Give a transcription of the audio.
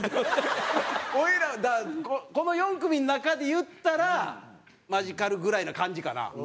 俺らこの４組の中で言ったらマヂカルぐらいな感じかな？